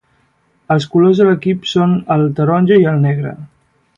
Els colors de l'equip són el taronja i el negre.